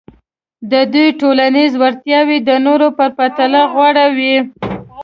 د دوی ټولنیزې وړتیاوې د نورو په پرتله غوره وې.